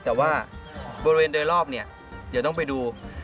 แต่ว่าบริเวณด้วยรอบเดี๋ยวต้องไปดู